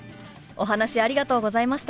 お話ありがとうございました！